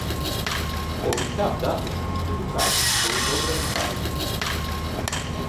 Обіцяв дати двісті дукатів, коли добре справиться.